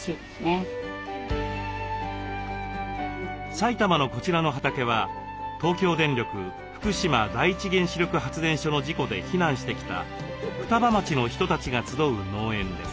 埼玉のこちらの畑は東京電力福島第一原子力発電所の事故で避難してきた双葉町の人たちが集う農園です。